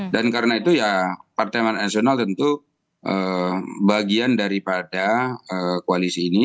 dan karena itu ya partai amanat nasional tentu bagian daripada koalisi ini